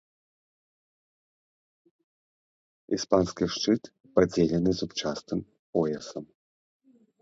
Іспанскі шчыт падзелены зубчастым поясам.